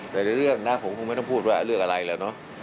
แต่ในเรื่องนะผมคงไม่ต้องพูดว่าเรื่องอะไรแล้วเนอะ